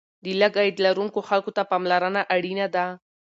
د لږ عاید لرونکو خلکو ته پاملرنه اړینه ده.